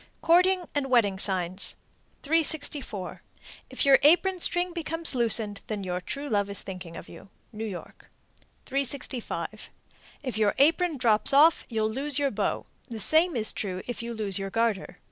_ COURTING AND WEDDING SIGNS. 364. If your apron string becomes loosened, your true love is thinking of you. New York. 365. If your apron drops off, you'll lose your beau. The same is true if you lose your garter.